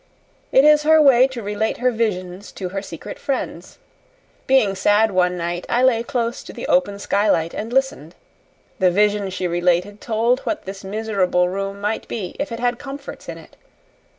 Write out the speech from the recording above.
It is her way to relate her visions to her secret friends. Being sad one night, I lay close to the open skylight and listened. The vision she related told what this miserable room might be if it had comforts in it.